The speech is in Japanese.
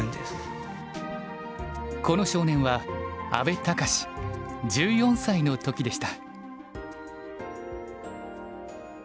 この少年は阿部隆１４歳の時でした。